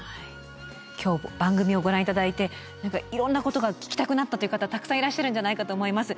今日番組をご覧いただいていろんなことが聞きたくなったという方たくさんいらっしゃるんじゃないかと思います。